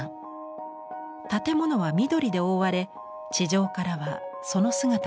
建物は緑で覆われ地上からはその姿が見えません。